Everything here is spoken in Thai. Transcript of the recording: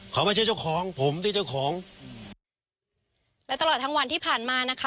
เขาไม่ใช่เจ้าของผมที่เจ้าของและตลอดทั้งวันที่ผ่านมานะคะ